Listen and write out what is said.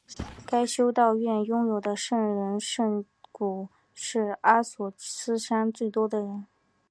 该修道院拥有的圣人圣髑是阿索斯山最多的。